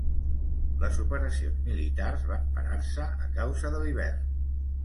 Les operacions militars van parar-se a causa de l'hivern.